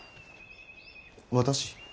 私？